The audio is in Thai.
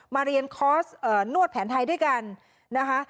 มาเรียนคอร์สนวดแผนไทยด้วยกันนะคะ